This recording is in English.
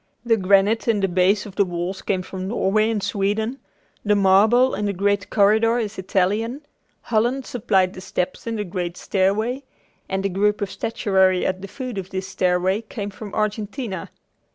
The granite in the base of the walls came from Norway and Sweden, the marble in the great corridor is Italian; Holland supplied the steps in the great stairway, and the group of statuary at the foot of this stairway came from Argentina.